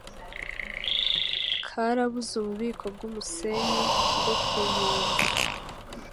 karabuze ububiko bw'umusenyi bwo ku nkombe